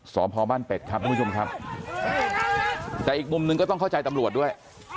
สอบพอบ้านเป็ดครับทุกผู้ชมครับแต่อีกมุมหนึ่งก็ต้องเข้าใจตำรวจด้วย